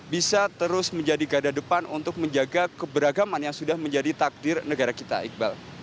bisa terus menjadi gada depan untuk menjaga keberagaman yang sudah menjadi takdir negara kita iqbal